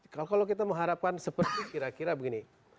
kalau kita mengharapkan seperti kira kira begini